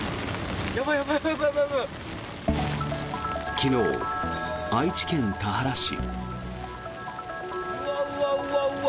昨日、愛知県田原市。